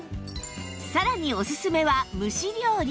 さらにおすすめは蒸し料理